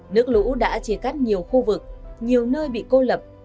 nước lũ đã chia cắt nhiều khu vực nhiều nơi bị cô lập